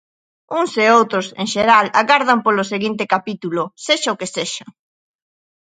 Uns e outros, en xeral, agardan polo seguinte capítulo, sexa o que sexa.